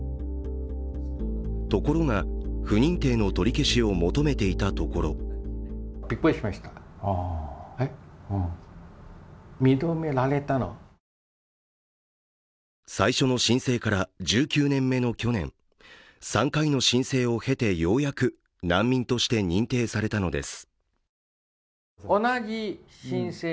ところが不認定の取り消しを求めていたところ最初の申請から１９年目の去年、３回の申請を経てようやく難民として認定されたのです。